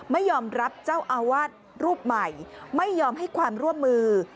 ไม่ยอมรับเจ้าอาวาสรูปใหม่ไม่ยอมให้ความร่วมมือ